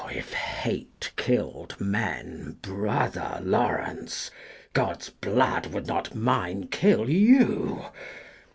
If hate killed men, Brother Lawrence, God's blood, would not mine kill you!